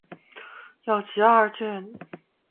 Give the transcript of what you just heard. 有集二卷。